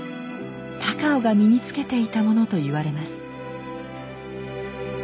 高尾が身につけていたものといわれます。